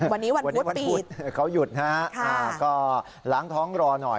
วันนี้วันพุธเขาหยุดนะฮะก็ล้างท้องรอหน่อย